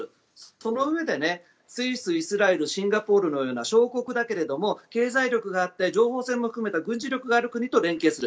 そのうえでスイス、イスラエルシンガポールのような小国だけど経済力があって情報戦も含めた軍事力があるところと連携する